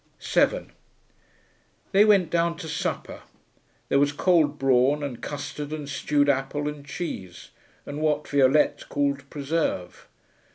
7 They went down to supper. There was cold brawn, and custard, and stewed apple, and cheese, and what Violette called preserve.